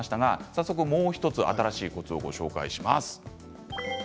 早速もう１つ、新しいコツをお教えします。